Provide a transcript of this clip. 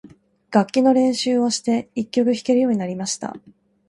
楽器の練習をして、一曲弾けるようになりました。